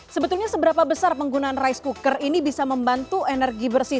sebetulnya seberapa besar penggunaan rice cooker ini bisa membantu energi bersih